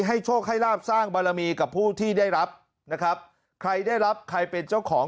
โชคให้ลาบสร้างบารมีกับผู้ที่ได้รับนะครับใครได้รับใครเป็นเจ้าของ